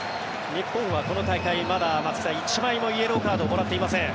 日本はこの大会まだ松木さん、１枚もイエローカードをもらっていません。